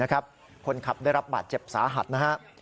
คนขับได้รับบาดเจ็บสาหัสนะครับ